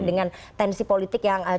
dengan tendisi politik yang cukup berat